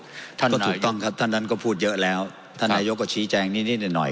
ท่านก็ถูกต้องครับท่านนั้นก็พูดเยอะแล้วท่านนายกก็ชี้แจงนิดนิดหน่อยหน่อย